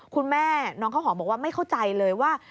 คุณแม่น้องข้าวหอมบอกว่าไม่เข้าใจเลยว่า